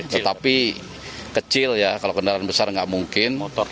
tetapi kecil ya kalau kendaraan besar nggak mungkin